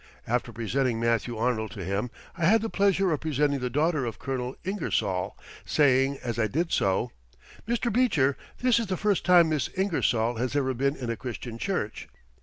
After presenting Matthew Arnold to him, I had the pleasure of presenting the daughter of Colonel Ingersoll, saying, as I did so: "Mr. Beecher, this is the first time Miss Ingersoll has ever been in a Christian church."